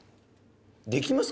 「できます？